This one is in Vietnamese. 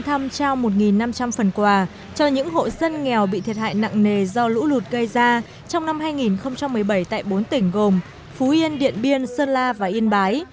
tổ chức đoàn đi thăm trao một năm trăm linh phần quà cho những hội dân nghèo bị thiệt hại nặng nề do lũ lụt gây ra trong năm hai nghìn một mươi bảy tại bốn tỉnh gồm phú yên điện biên sơn la và yên bái